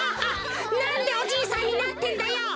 なんでおじいさんになってんだよ！